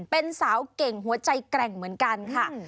เป็นสาวเก่งหัวใจแกร่งเหมือนกันค่ะ